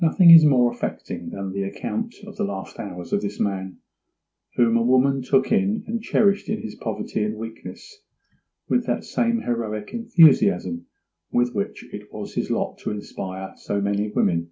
Nothing is more affecting than the account of the last hours of this man, whom a woman took in and cherished in his poverty and weakness with that same heroic enthusiasm with which it was his lot to inspire so many women.